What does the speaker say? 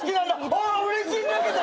あうれしいんだけど！